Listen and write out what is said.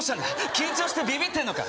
緊張してビビってんのか？